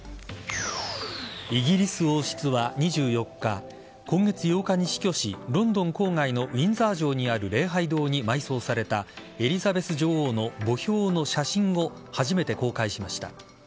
イギリス王室は２４日今月８日に死去しロンドン郊外のウィンザー城にある礼拝堂に埋葬されたエリザベス女王の墓標の写真を初めて公開しました。